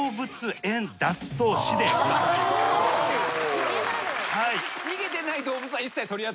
気になる。